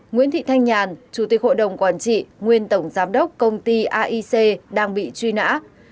ba nguyễn thị thanh nhàn chủ tịch hội đồng quản trị nguyên tổng giám đốc công ty aic đang bị truy nã